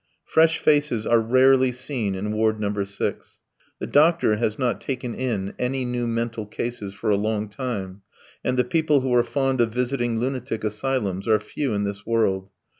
Fresh faces are rarely seen in Ward No. 6. The doctor has not taken in any new mental cases for a long time, and the people who are fond of visiting lunatic asylums are few in this world.